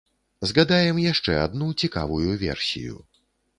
Згадаем яшчэ адну цікавую версію.